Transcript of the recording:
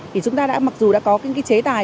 thì chúng ta đã mặc dù đã có những cái chế tài